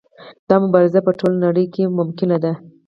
دا مبارزه په ټوله نړۍ کې ممکنه ده.